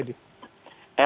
anda melihat bagaimana